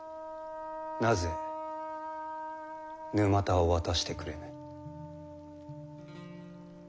なぜ沼田を渡してくれぬ？